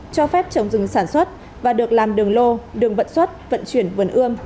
cho phép trồng rừng sản xuất và được làm đường lô đường vận xuất vận chuyển vườn ươm